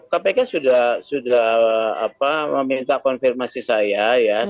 kpk sudah meminta konfirmasi saya ya